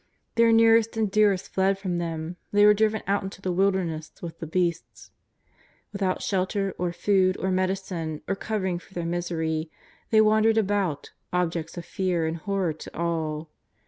Their nearest and dearest fled from them, they were driven out into the wilderness with the beasts. Without shelter, or food, or medi cine, or covering for their misery, they wandered about, objects of fear and horror to all.